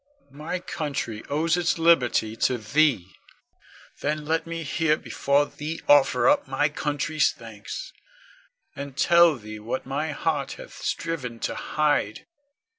My country owes its liberty to thee: then let me here before thee offer up my country's thanks, and tell thee what my heart hath striven to hide.